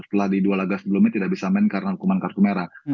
setelah di dua laga sebelumnya tidak bisa main karena hukuman kartu merah